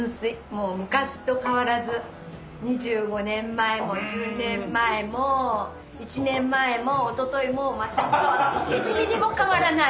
もう昔と変わらず２５年前も１０年前も１年前もおとといも全く１ミリも変わらない。